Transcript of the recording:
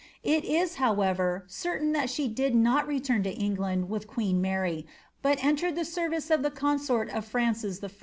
It is, however, certain that she did not return to England with queen Mary, but entered the service of the consort of Francis I.